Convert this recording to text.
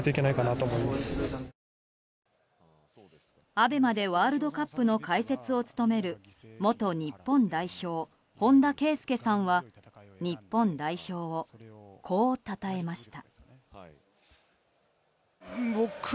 ＡＢＥＭＡでワールドカップの解説を務める元日本代表・本田圭佑さんは日本代表をこうたたえました。